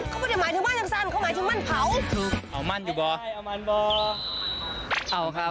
เขาไม่ได้หมายถึงมั่นยังสั้นเขาหมายถึงมั่นเผา